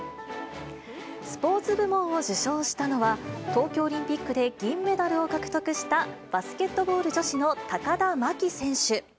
スポーツ部門を受賞したのは、東京オリンピックで銀メダルを獲得した、バスケットボール女子の高田真希選手。